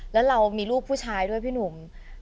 แล้วเรามีลูกผู้ชายด้วยพี่หนุ่ม